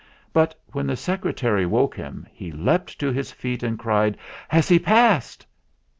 But when the Secretary woke him, he leapt to his feet and cried : "Has he passed?"